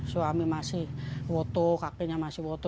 suami masih woto kakinya masih woto